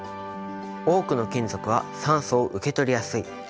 多くの金属は酸素を受け取りやすい。